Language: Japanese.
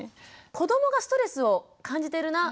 子どもがストレスを感じてるなあ